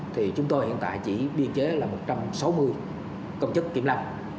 thì chúng tôi hiện tại chỉ biên chế là một trăm sáu mươi